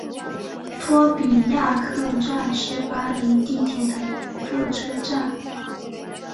托比亚克站是巴黎地铁的一个车站。